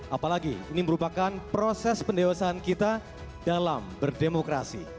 apalagi ini merupakan proses pendewasaan kita dalam berdemokrasi